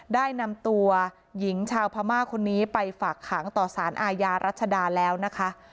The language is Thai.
ได้นำตัวหญิงชาวพม่าคนนี้ไปฝากขังต่อสารอาญารัชดาแล้วนะคะ